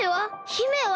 姫は？